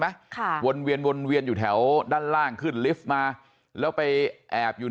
ค่ะวนเวียนวนเวียนอยู่แถวด้านล่างขึ้นลิฟต์มาแล้วไปแอบอยู่